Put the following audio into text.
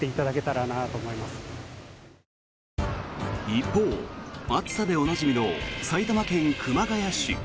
一方、暑さでおなじみの埼玉県熊谷市。